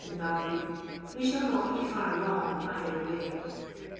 in value, we shall not be hr wrong either way.